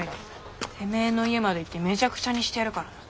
てめえの家まで行ってめちゃくちゃにしてやるからな！